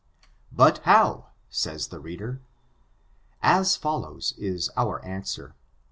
But how 7 says the reader. As follows, is our an swer.